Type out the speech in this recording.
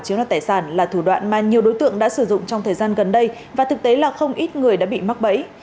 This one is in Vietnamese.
chiếm đoạt tài sản là thủ đoạn mà nhiều đối tượng đã sử dụng trong thời gian gần đây và thực tế là không ít người đã bị mắc bẫy